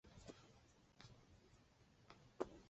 分布于台湾恒春等。